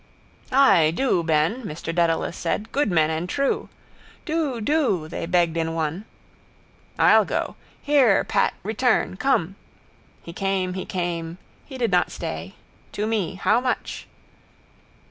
—Ay do, Ben, Mr Dedalus said. Good men and true. —Do, do, they begged in one. I'll go. Here, Pat, return. Come. He came, he came, he did not stay. To me. How much?